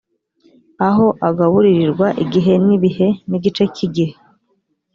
aho agaburirirwa igihe n ibihe n igice cy igihe